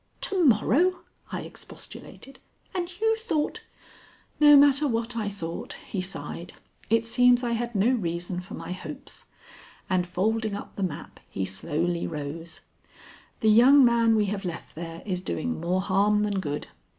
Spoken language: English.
to morrow!" I expostulated. "And you thought " "No matter what I thought," he sighed. "It seems I had no reason for my hopes." And folding up the map, he slowly rose. "The young man we have left there is doing more harm than good.